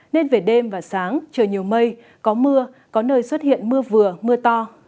nên về đêm và sáng trời nhiều mây có mưa có nơi xuất hiện mưa vừa mưa to